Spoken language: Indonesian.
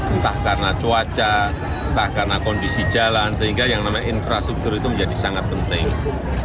entah karena cuaca entah karena kondisi jalan sehingga yang namanya infrastruktur itu menjadi sangat penting